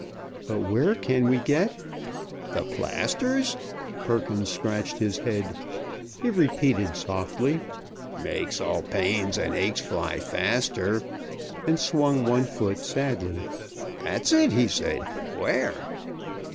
"But where can we get " "The plasters?" Perkins scratched his head. He repeated softly, "Makes all pains and aches fly faster," and swung one foot sadly. "That's it," he said; "where?"